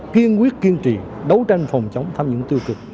kiên quyết kiên trì đấu tranh phòng chống tham nhũng tiêu cực